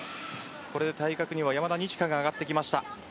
これで対角には山田二千華が上がってきました。